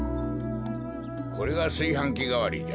これがすいはんきがわりじゃ。